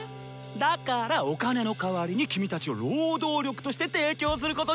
だからお金の代わりにキミたちを労働力として提供することにしたヨ！